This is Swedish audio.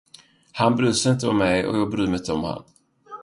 Han bryr sig inte om mig och jag bryr mig inte om honom.